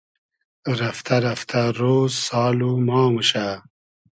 رئفتۂ رئفتۂ رۉز سال و ما موشۂ